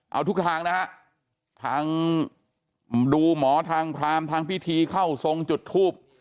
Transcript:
เอาทุกทางนะฮะทางดูหมอทางพรามทางพิธีเข้าทรงจุดทูบ